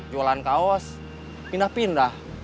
jualan kaos pindah pindah